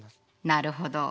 なるほど。